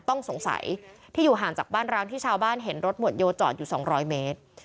ต้องสงสัยที่อยู่ห่างจากบ้านร้างที่ชาวบ้านเห็นรถหมวดโยจอดอยู่๒๐๐เมตร